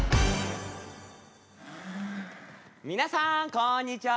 皆さんこんにちは！